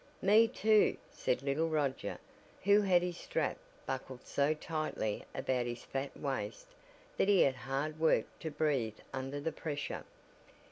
"Me too," said little Roger, who had his strap buckled so tightly about his fat waist, that he had hard work to breathe under the pressure.